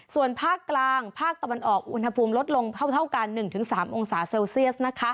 ส่วนภาคกลางภาคตะวันออกอุณหภูมิลดลงเท่ากัน๑๓องศาเซลเซียส